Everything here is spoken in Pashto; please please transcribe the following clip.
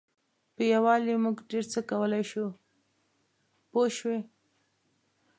په یووالي موږ ډېر څه کولای شو پوه شوې!.